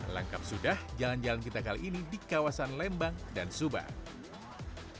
lengkap sudah jalan jalan kita kali ini di kawasan lembang dan subang